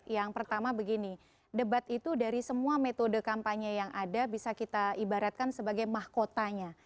yang pertama begini debat itu dari semua metode kampanye yang ada bisa kita ibaratkan sebagai mahkotanya